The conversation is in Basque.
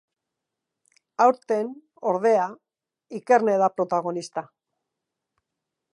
Aurten, ordea, Ikerne da protagonista.